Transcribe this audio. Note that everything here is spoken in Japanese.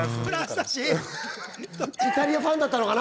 イタリアファンだったのかな？